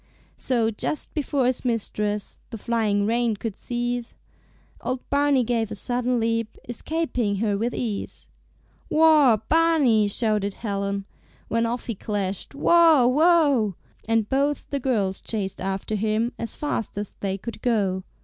So, just before his mistress The flying rein could seize, Old Barney gave a sudden leap, Escaping her with ease. "Whoa, Barney!" shouted Helen, When off he clashed, "Whoa, whoa!" And both the girls chased after him As fast as they could go.